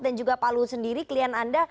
dan juga pak luhut sendiri klien anda